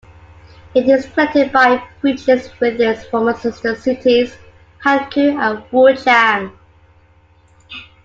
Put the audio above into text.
It is connected by bridges with its former sister cities, Hankou and Wuchang.